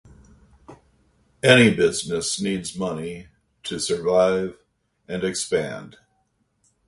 Any business needs money to survive and expand.